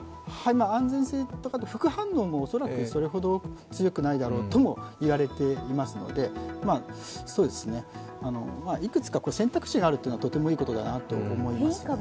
安全性とか副反応も恐らくそれほど強くないだろうと言われていますので、いくつか選択肢があるというのは、とてもいいことだと思います。